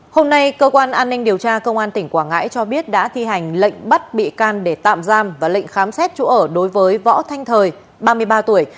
hôm nay cơ quan an ninh điều tra công an tỉnh quảng ngãi cho biết đã thi hành lệnh bắt bị can để tạm giam và lệnh khám xét chỗ ở đối với võ thanh thời ba mươi ba tuổi